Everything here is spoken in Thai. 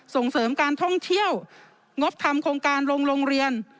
ส่งเสริมการท่องเที่ยวงบทำโครงการลงโรงเรียน